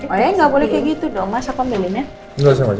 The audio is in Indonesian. oh ya gak boleh kayak gitu dong mas apa milihnya